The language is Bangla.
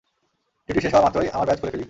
ডিউটি শেষ হওয়া মাত্রই, আমার ব্যাজ খুলে ফেলি।